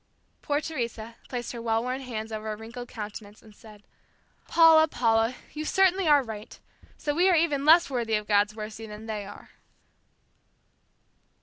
Poor Teresa, placed her well worn hands over her wrinkled countenance, and said, "Paula, Paula, you certainly are right. So we are even less worthy of God's mercy than they are."